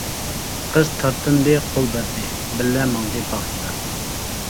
قىز تارتىندى قول بەردى، بىللە ماڭدى باغچىدا.